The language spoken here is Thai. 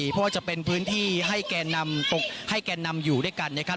เพราะว่าจะเป็นพื้นที่ให้แกนนำอยู่ด้วยกันนะครับ